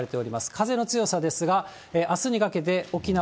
風の強さですが、あすにかけて沖縄、